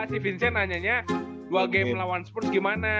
si vincent nanyanya dua game lawan spurs gimana